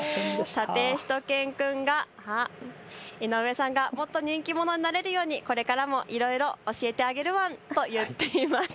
さてしゅと犬くんが井上さんがもっと人気者になれるようにこれからもいろいろ教えてあげるワンと言っています。